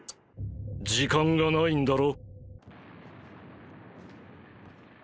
時間が無いんだろ？